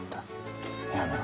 やめろ。